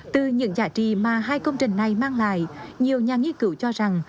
từ những giá trị mà hai công trình này mang lại nhiều nhà nghiên cứu cho rằng